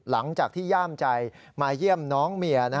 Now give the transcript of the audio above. หลังจากที่ย่ามใจมาเยี่ยมน้องเมีย